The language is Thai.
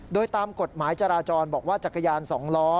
โดยตามกฎหมายจราจรบอกว่าจักรยาน๒ล้อ